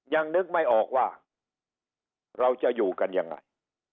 ยังนึกไม่ออกว่าเราจะอยู่กันยังไง